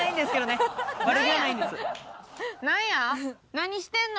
何してんの？